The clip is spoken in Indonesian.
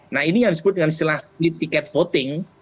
nah ini yang disebut dengan istilah tiket voting